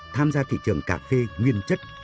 tham gia thị trường cà phê nguyên chất